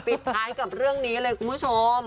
ปิดท้ายกับเรื่องนี้เลยคุณผู้ชม